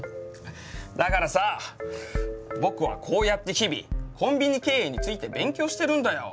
だからさ僕はこうやって日々コンビニ経営について勉強してるんだよ。